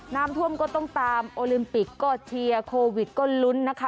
น้ำท่วมก็ต้องตามโอลิมปิกก็เชียร์โควิดก็ลุ้นนะคะ